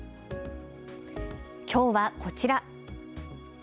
きょうは、こちら。